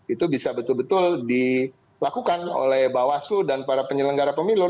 itu bisa betul betul dilakukan oleh bawaslu dan para penyelenggara pemilu